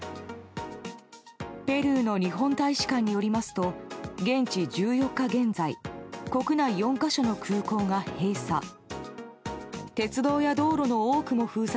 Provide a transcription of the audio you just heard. ペルーの日本大使館によりますと現地１４日現在国内４か所の空港が閉鎖。